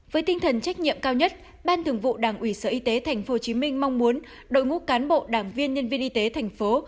với tinh thần trách nhiệm cao nhất ban thường vụ đảng ủy sở y tế tp hcm mong muốn đội ngũ cán bộ đảng viên nhân viên y tế thành phố